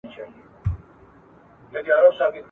په لومړۍ ورځ چي ځالۍ دي جوړوله !.